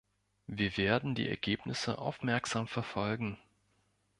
Wir werden die Ergebnisse aufmerksam verfolgen.